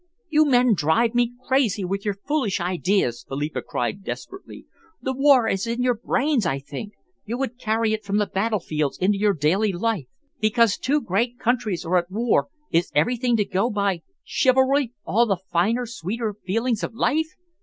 "You men drive me crazy with your foolish ideas!" Philippa cried desperately. "The war is in your brains, I think. You would carry it from the battlefields into your daily life. Because two great countries are at war, is everything to go by chivalry? all the finer, sweeter feelings of life?